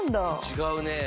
違うね。